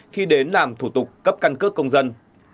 khi đến làm thủ tục cấp căn cước công dân